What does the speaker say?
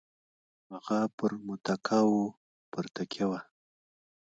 هغه پر متکاوو پر تکیه وه.